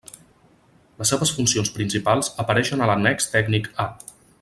Les seves funcions principals apareixen a l'annex tècnic A.